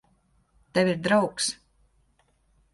Tev ir draugs.